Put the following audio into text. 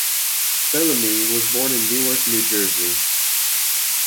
Bellamy was born in Newark, New Jersey.